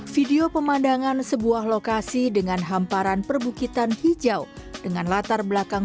video pemandangan sebuah lokasi dengan hamparan perbukitan hijau dengan latar belakang